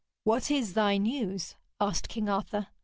'What is thy news?' asked King Arthur.